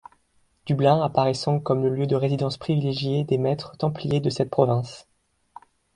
Dublin apparaissant comme le lieu de résidence privilégié des maîtres templiers de cette province.